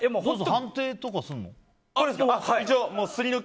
判定とかするの？